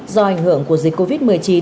do ảnh hưởng của dịch covid một mươi chín